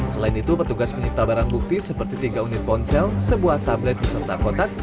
selain itu petugas menyita barang bukti seperti tiga unit ponsel sebuah tablet beserta kotak